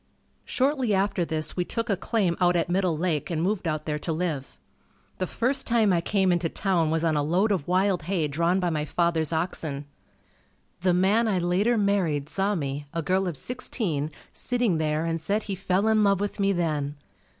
Shortly after this we took a claim out at Middle Lake and moved out there to live. The first time I came into town was on a load of wild hay drawn by my father's oxen. The man I later married saw me, a girl of sixteen, sitting there and said he fell in love with me then.